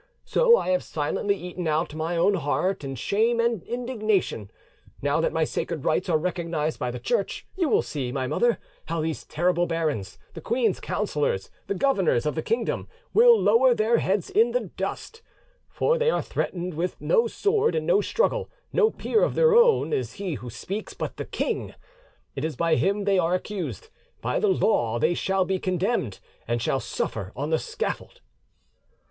So I have silently eaten out my own heart in shame and indignation. Now that my sacred rights are recognised by the Church, you will see, my mother, how these terrible barons, the queen's counsellors, the governors of the kingdom, will lower their heads in the dust: for they are threatened with no sword and no struggle; no peer of their own is he who speaks, but the king; it is by him they are accused, by the law they shall be condemned, and shall suffer on the scaffold."